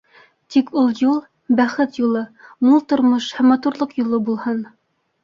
Тик ул юл - бәхет юлы, мул тормош һәм Матурлыҡ юлы булһын.